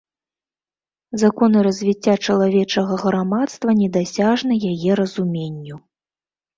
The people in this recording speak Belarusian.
Законы развіцця чалавечага грамадства недасяжны яе разуменню.